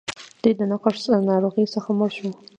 دی د نقرس له ناروغۍ څخه مړ شو.